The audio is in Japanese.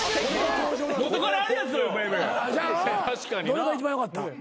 どれが一番良かった？